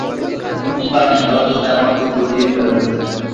কিংবা বলা যায় আমাকে জড়িয়ে ফেলা হয়েছে।